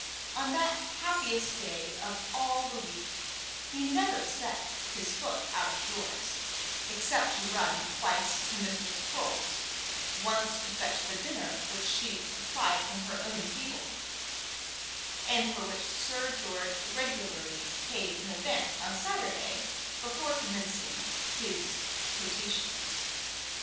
On that happiest day of all the week, he never set his foot out of doors, except to run twice to Mistress Croale's, once to fetch the dinner which she supplied from her own table, and for which Sir George regularly paid in advance on Saturday before commencing his potations.